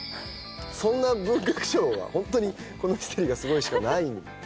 そんな文学賞はホントに『このミステリーがすごい！』しかないんですけど。